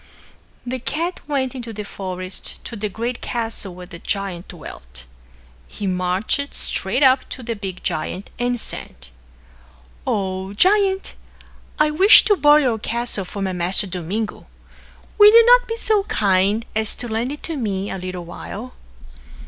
The cat went into the forest to the great castle where the giant dwelt. He marched straight up to the big giant and said, "O Giant, I wish to borrow your castle for my master Domingo. Will you not be so kind as to lend it to me a little while?"